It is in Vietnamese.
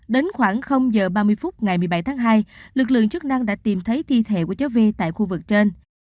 đến khoảng h ba mươi phút ngày một mươi bảy tháng hai lực lượng chức năng đã tìm thấy thi thể của cháu vi tại khu vực trên